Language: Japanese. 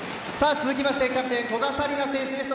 続きましてキャプテン古賀紗理那選手です。